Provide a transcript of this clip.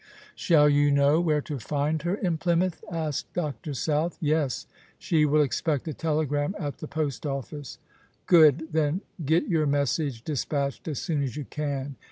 " Shall you know where to find her in Plymouth ?" asked Dr. South. " Yes ; she will expect a telegram at the post office." ■" Good. Then get your message despatched as soon as you can."